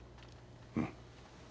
うん。